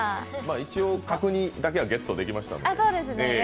一応、角煮だけはゲットできましたんで。